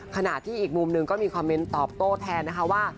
ขณะที่อีกมุมหนึ่งก็มีคอมเมนต์ตอบโต้แทนนะคะว่า